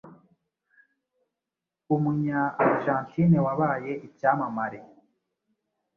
Umunya Argentine wabaye icyamamare